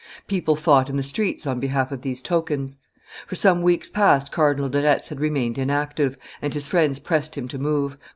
People fought in the streets on behalf of these tokens. For some weeks past Cardinal de Retz had remained inactive, and his friends pressed him to move.